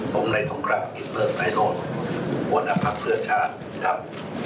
ผมในสงครามกิจเลิกไทยโดนวันนักภักดิ์เพื่อชาติครับ